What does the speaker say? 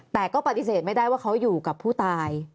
แต่ก็ปฏิเสธไม่ได้ว่าเขาอยู่กับผู้ตาย